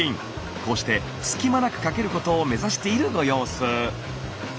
こうして隙間なくかけることを目指しているご様子。